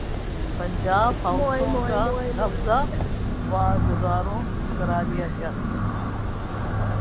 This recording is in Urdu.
پنجاب ہاؤسوں کا قبضہ واگزار کرا لیا جاتا۔